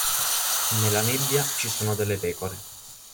Nella nebbia ci sono delle pecore".